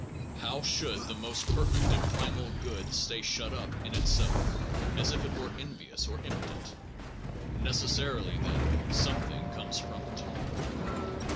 ... How should the most perfect and primal good stay shut up in itself as if it were envious or impotent? ... Necessarily then something comes from it.